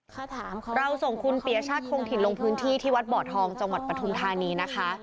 ข้าระส่งคุณเพียชาชคงถิ่นลงพื้นที่ที่วัดบ่อทองจังหวัดปทุมทานีนะคะ